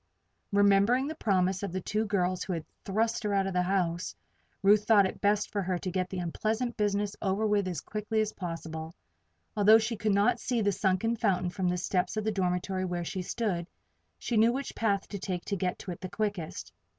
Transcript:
Remembering the promise of the two girls who had thrust her out of the house, Ruth thought it best for her to get the unpleasant business over as quickly as possible. Although she could not see the sunken fountain from the steps of the dormitory where she stood, she knew which path to take to get to it the quickest.